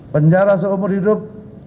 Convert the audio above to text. penjara seumur hidup